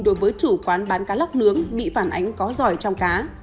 đối với chủ quán bán cá lóc nướng bị phản ánh có giỏi trong cá